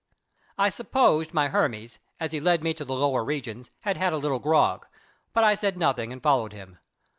I supposed my Hermes, as he led me to the lower regions, had had a little grog, but I said nothing and followed him.